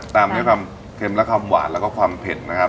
ตามจากความเข็มและความหวานและความเผ็ดนะครับ